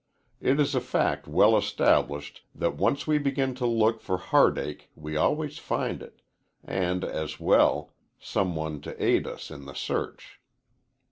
It is a fact well established that once we begin to look for heartache we always find it and, as well, some one to aid us in the search.